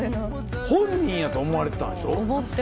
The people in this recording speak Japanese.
本人やと思われてたんでしょ？